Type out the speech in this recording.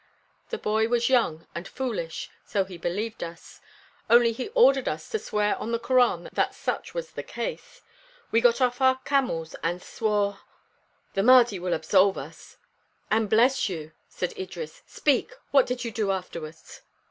The boy was young and foolish, so he believed us; only he ordered us to swear on the Koran that such was the case. We got off our camels and swore " "The Mahdi will absolve us " "And bless you," said Idris. "Speak! what did you do afterwards?"